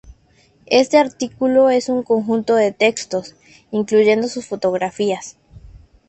Este "artículo" es un conjunto de textos, incluyendo sus fotografías.